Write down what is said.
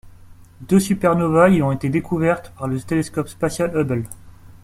Deux supernovas y ont été découvertes par le télescope spatial Hubble.